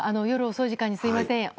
夜遅い時間にすみません。